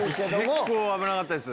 結構危なかったです。